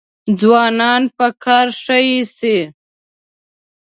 ځوانان په کار ښه ایسي.